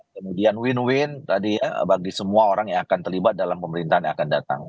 kemudian win win tadi ya bagi semua orang yang akan terlibat dalam pemerintahan yang akan datang